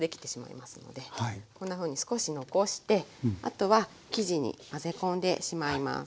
こんなふうに少し残してあとは生地に混ぜ込んでしまいます。